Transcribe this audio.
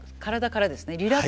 リラックスはい。